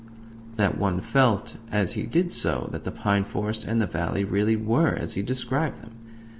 that one felt, as he did so, that the pine forest and the valley really WERE as he described them.